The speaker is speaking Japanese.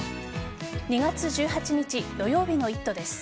２月１８日土曜日の「イット！」です。